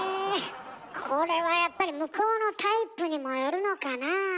これはやっぱり向こうのタイプにもよるのかなあ。